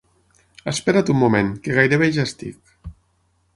Espera't un moment, que gairebé ja estic.